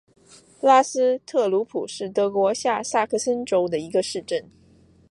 拉斯特鲁普是德国下萨克森州的一个市镇。